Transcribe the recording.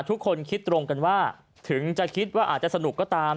ทุกคนคิดตรงกันว่าถึงจะคิดว่าอาจจะสนุกก็ตาม